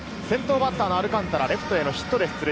先頭バッターのアルカンタラ、レフトへのヒットで出塁。